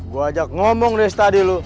gue ajak ngomong dari tadi lu